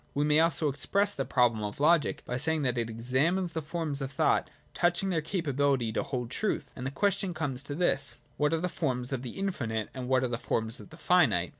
— We may al^o express the problem of logic by saying that it examines the forms of thought touching their capability to hold truth. And the question comes to this : What are the forms of the infinite, and what are the forms of the finite